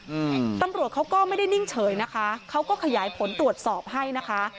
อืมตำรวจเขาก็ไม่ได้นิ่งเฉยนะคะเขาก็ขยายผลตรวจสอบให้นะคะ